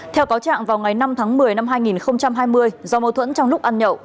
theo cáo trạng vào ngày năm tháng một mươi năm hai nghìn hai mươi do mâu thuẫn trong lúc ăn nhậu